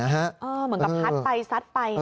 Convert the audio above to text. เหมือนกับพัดไปซัดไป